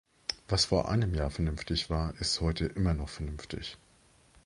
Was vor einem Jahr vernünftig war, ist heute immer noch vernünftig.